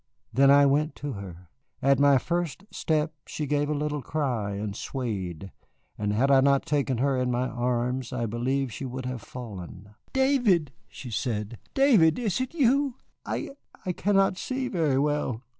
Then I went to her. At my first step she gave a little cry and swayed, and had I not taken her in my arms I believe she would have fallen. "David!" she said, "David, is it you? I I cannot see very well.